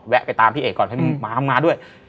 แวะไปตามพี่เอกก่อนให้มีม้ามาด้วย